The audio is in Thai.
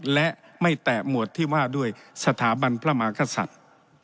และไม่แตะหมวดที่ว่าด้วยสถาบันพระมากษัตริย์